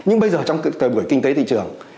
nhưng bây giờ trong thời buổi kinh tế thị trường